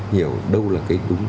hiểu đâu là cái đúng